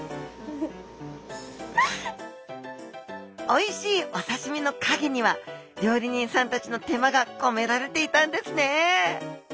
おいしいおさしみのかげには料理人さんたちの手間がこめられていたんですね！